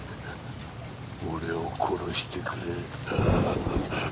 俺を殺してくれ。